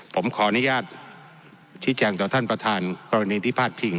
ผมขออนุญาตชี้แจงต่อท่านประธานกรณีที่พาดพิง